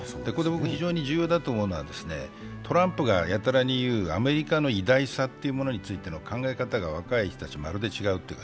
非常に重要だと思うのはトランプがやたらに言うアメリカの偉大さに対する考え方が若い人たち、まるで違う。